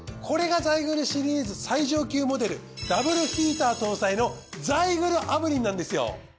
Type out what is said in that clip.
これがザイグルシリーズ最上級モデルダブルヒーター搭載のザイグル炙輪なんですよ。